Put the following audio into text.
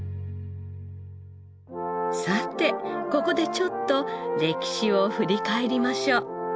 さてここでちょっと歴史を振り返りましょう。